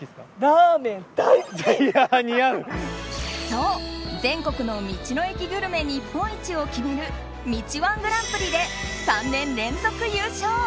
そう、全国の道の駅グルメ日本一を決める道‐１グランプリで３年連続優勝。